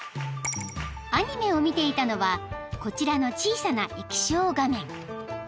［アニメを見ていたのはこちらの小さな］